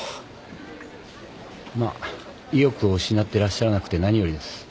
まあ意欲を失ってらっしゃらなくて何よりです。